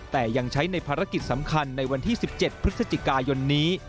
แต่ยังใช้ในภารกิจสำคัญในวันที่๑๗พฤศจิกายนนี้